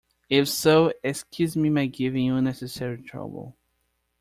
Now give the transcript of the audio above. If so, excuse my giving you unnecessary trouble.